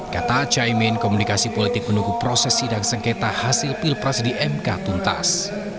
kata caimin komunikasi politik menunggu proses sidang sengketa hasil pilpres di mk tuntas